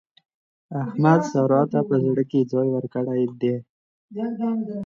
احمد سارا ته په زړه کې ځای ورکړی دی.